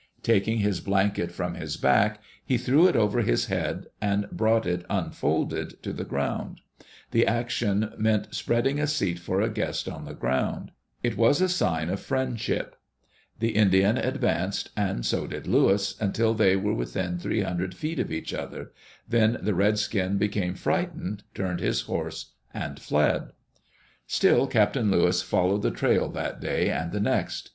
Taking his blanket from his back, he threw it over Digitized by CjOOQ IC THE ADVENTURES OF LEWIS AND CLARK his head and brought it unfolded to the ground The action meant spreading a seat for a guest on the ground It was a sign of friendship. The Indian advanced, and so did Lewis, until they were within three hundred feet of each other; then the redskin became frightened, turned his horse, and fled. Still Captain Lewis followed the trail that day and the next.